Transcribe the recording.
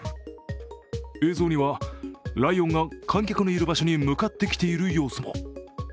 映像にはライオンが観客のいる場所に向かってきている様子も。